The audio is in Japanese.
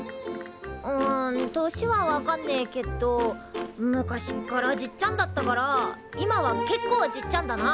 ん年は分かんねえけっど昔っからじっちゃんだったから今は結構じっちゃんだな。